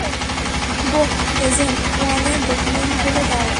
বোহ, agent ওয়ানের ডকুমেন্টগুলো দাও।